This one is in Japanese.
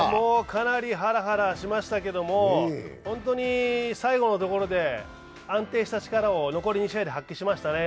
かなりハラハラしましたけど、最後のところで安定した力を残り２試合で発揮しましたね。